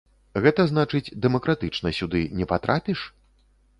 Гэта значыць дэмакратычна сюды не патрапіш?